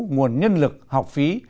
nguồn nhân lực học phí